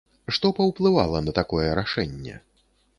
Што паўплывала на такое рашэнне?